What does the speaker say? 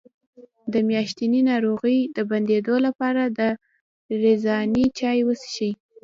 د میاشتنۍ ناروغۍ د بندیدو لپاره د رازیانې چای وڅښئ